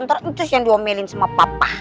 ntar terus yang diomelin sama papa